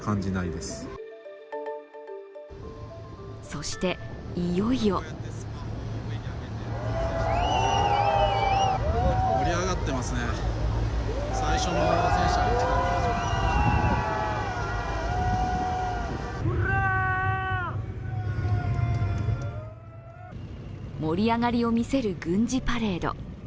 そして、いよいよ盛り上がりを見せる軍事パレード。